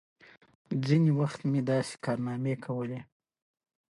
ځینې وخت مې داسې کارنامې کولې چې نورو به آفرین ویل